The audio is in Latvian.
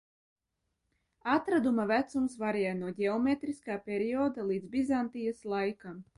Atradumu vecums variē no ģeometriskā perioda līdz Bizantijas laikam.